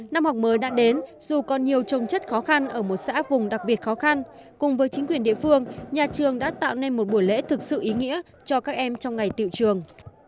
năm học mới đã đến dù còn nhiều trồng chất khó khăn ở một xã vùng đặc biệt khó khăn cùng với chính quyền địa phương nhà trường đã tạo nên một buổi lễ thực sự ý nghĩa cho các em trong ngày tiệu trường